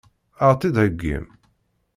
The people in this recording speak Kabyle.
Ad ɣ-tt-id-heggim?